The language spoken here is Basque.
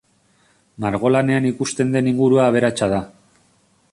Margolanean ikusten den ingurua aberatsa da.